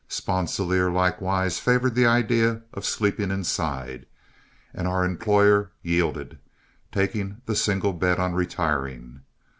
Sponsilier likewise favored the idea of sleeping inside, and our employer yielded, taking the single bed on retiring.